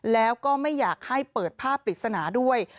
แล้วก็ไม่อยากให้เปิดภาพปริศนาด้วย